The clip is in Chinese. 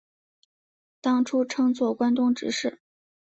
当初称作关东执事。